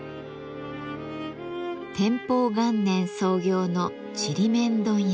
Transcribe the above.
天保元年創業のちりめん問屋。